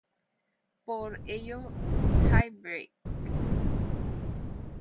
Por ello tie-break.